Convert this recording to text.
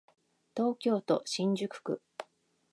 東京都新宿区